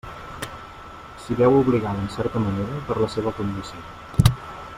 S'hi veu obligada en certa manera per la seva condició.